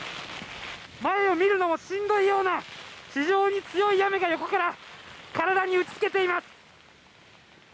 前を見るのもしんどいような非常に強い雨が横から体に打ち付けています。